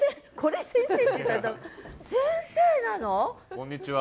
こんにちは。